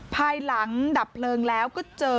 ภายหลังดับเพลิงแล้วก็เจอ